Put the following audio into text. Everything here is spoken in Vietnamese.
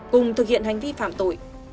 cùng thực hiện hành vi phạm tội